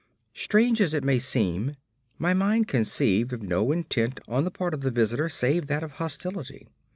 Strange as it may seem, my mind conceived of no intent on the part of the visitor save that of hostility.